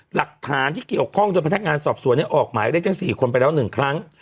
หลักฐานที่เกี่ยวข้องจนพนักงานสอบส่วนเนี่ยออกหมายได้จน๔คนไปแล้ว๑ครั้ง